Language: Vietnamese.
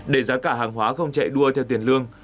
để giá cả hàng hóa không chạy đua theo tiền lương